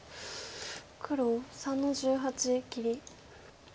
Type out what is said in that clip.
黒３の十八切り。